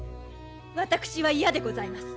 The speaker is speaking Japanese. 私は嫌でございます！